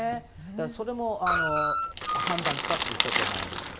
それも判断したということなんですけど。